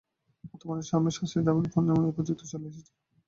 বর্তমানে শাওমির সাশ্রয়ী দামের ফোনেও এ প্রযুক্তি চলে এসেছে।